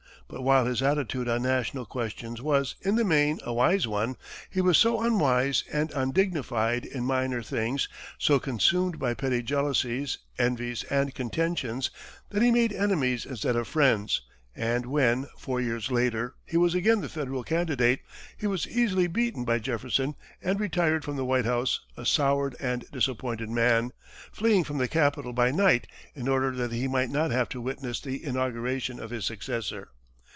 But, while his attitude on national questions was, in the main, a wise one, he was so unwise and undignified in minor things, so consumed by petty jealousies, envies and contentions, that he made enemies instead of friends, and when, four years later, he was again the Federal candidate, he was easily beaten by Jefferson, and retired from the White House a soured and disappointed man, fleeing from the capital by night in order that he might not have to witness the inauguration of his successor.